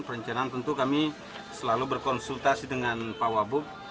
perencanaan tentu kami selalu berkonsultasi dengan pak wabub